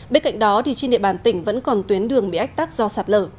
bên cạnh đó trên địa bàn tỉnh vẫn còn tuyến đường bị ách tắc do sạt lở